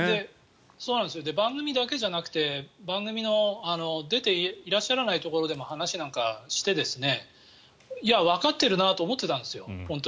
番組だけじゃなくて番組に出ていらっしゃらないところでも話していや、わかってるなと思ってたんですよ。